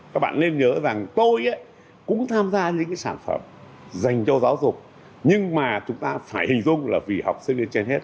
các bạn nên nhớ rằng tôi cũng tham gia những cái sản phẩm dành cho giáo dục nhưng mà chúng ta phải hình dung là vì học sinh lên trên hết